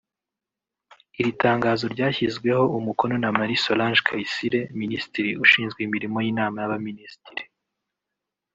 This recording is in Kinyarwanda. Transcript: Iri tangazo ryashyizweho umukono na Marie Solange Kayisire Minisitiri ushinzwe Imirimo y’Inama y’Abaminisitiri